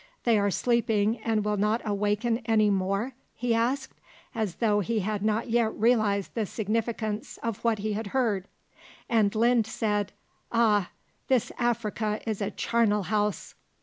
"They are sleeping and will not awaken any more?" he asked, as though he had not yet realized the significance of what he had heard. And Linde said: "Ah! This Africa is a charnel house."